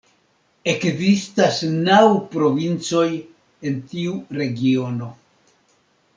Ekzistas naŭ provincoj en tiu regiono.